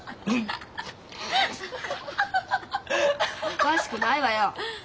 おかしくないわよ。